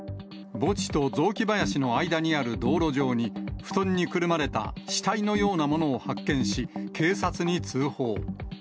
墓地と雑木林の間にある道路上に、布団にくるまれた死体のようなものを発見し、警察に通報。